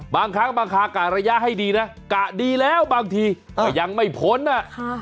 บางครั้งบางคากะระยะให้ดีนะกะดีแล้วบางทีก็ยังไม่พ้นอ่ะค่ะ